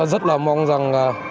rất là mong rằng